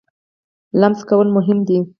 لمس کول مهم دی.